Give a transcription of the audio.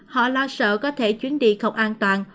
họ lo sợ có thể chuyến đi không an toàn